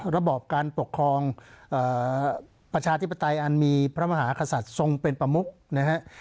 ระบอบการปกครองประชาธิปไตยอันมีพระมหากษัตริย์ทรงเป็นประมุกนะฮะ